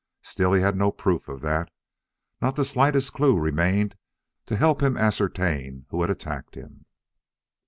Still, he had no proof of that. Not the slightest clue remained to help him ascertain who had attacked him.